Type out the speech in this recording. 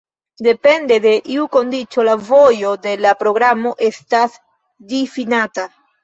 Depende de iu kondiĉo la vojo de la programo estas difinata.